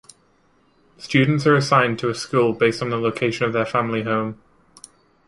Students are assigned to a school based on the location of their family home.